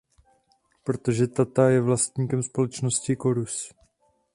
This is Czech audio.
Protože Tata je vlastníkem společnosti Corus.